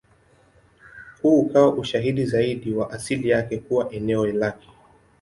Huu ukawa ushahidi zaidi wa asili yake kuwa eneo lake.